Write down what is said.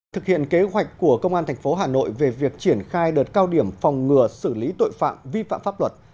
thực hiện kế hoạch của công an tp hà nội về việc triển khai đợt cao điểm phòng ngừa xử lý tội phạm vi phạm pháp luật